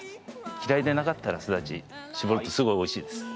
嫌いでなかったらスダチ搾るとすごいおいしいです。